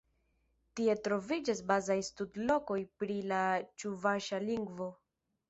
Tie troviĝas bazaj studlokoj pri la ĉuvaŝa lingvo.